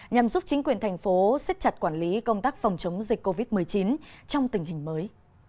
nhằm giúp chính quyền thành phố xích chặt quản lý công tác phòng chống dịch covid một mươi chín trong tình hình mới